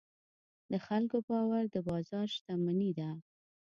د خلکو باور د بازار شتمني ده.